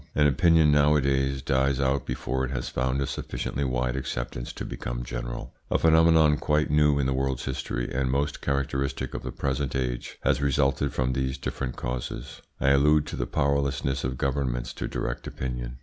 An opinion nowadays dies out before it has found a sufficiently wide acceptance to become general. A phenomenon quite new in the world's history, and most characteristic of the present age, has resulted from these different causes; I allude to the powerlessness of governments to direct opinion.